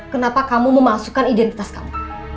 kenapa kamu memasukkan identitas kamu